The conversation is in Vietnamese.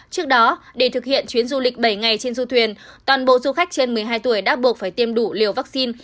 trước đó để thực hiện chuyến du lịch bảy ngày trên du thuyền toàn bộ du khách trên một mươi hai tuổi đã buộc phải tiêm đủ liều vaccine